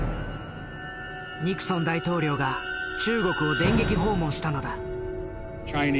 ニクソン大統領が中国を電撃訪問したのだ。